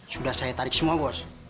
sudah saya tarik semua bos